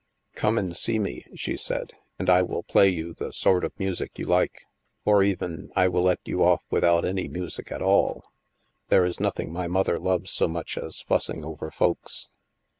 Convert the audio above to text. " Come and see me," she said, " and I will play you the sort of music you like. Or even, I will let you off without any music, at all. There is nothing my mother loves so much as fussing over folks.